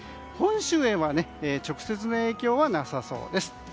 本州へは直接の影響はなさそうです。